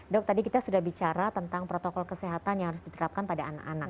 dok tadi kita sudah bicara tentang protokol kesehatan yang harus diterapkan pada anak anak